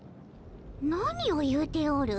何を言うておる。